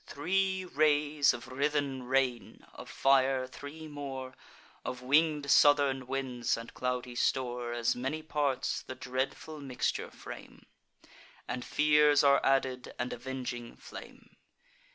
Three rays of writhen rain, of fire three more, Of winged southern winds and cloudy store As many parts, the dreadful mixture frame; And fears are added, and avenging flame.